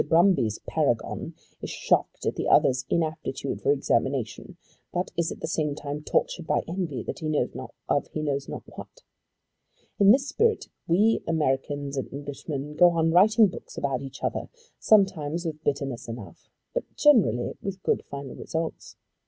Brumby's paragon is shocked at the other's inaptitude for examination, but is at the same time tortured by envy of he knows not what. In this spirit we Americans and Englishmen go on writing books about each other, sometimes with bitterness enough, but generally with good final results.